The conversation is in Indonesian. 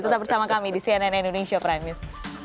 tetap bersama kami di cnn indonesia prime news